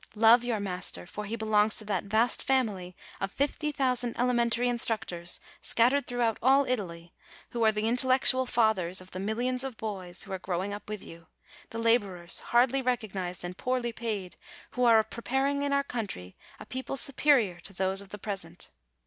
Love your master; for he belongs to that vast family of fifty thousand elementary instructors, scattered throughout all Italy, who are the intellectual fathers of the millions of boys who are grow ing up with you; the laborers, hardly recognized and poorly paid, who are preparing in our country a people superior to those of the present.